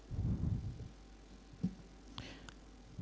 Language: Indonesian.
ibu putri ke saguling